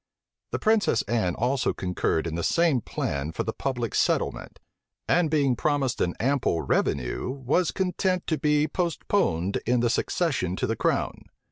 The princess Anne also concurred in the same plan for the public settlement; and being promised an ample revenue, was content to be postponed in the succession to the crown.